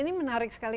ini menarik sekali